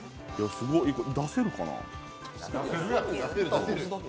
すごい、出せるかな？